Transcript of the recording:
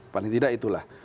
paling tidak itulah